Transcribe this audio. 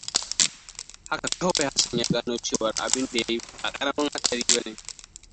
Haka kawai Hassan ya gano cewar abinda ya yi ba ƙaramin haɗari ba ne.